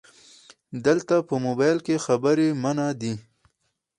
📵 دلته په مبایل کې خبري منع دي